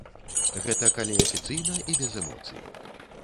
Гэта калі афіцыйна і без эмоцый.